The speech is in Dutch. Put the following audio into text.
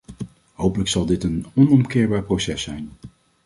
Hopelijk zal dit een onomkeerbaar proces zijn.